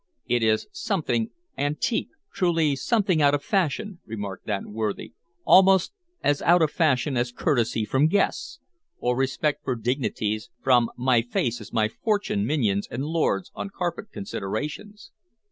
"It is something antique, truly, something out of fashion," remarked that worthy, "almost as out of fashion as courtesy from guests, or respect for dignities from my face is my fortune minions and lords on carpet considerations."